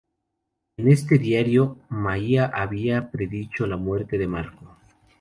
En este diario, Maia había predicho la muerte de Marco.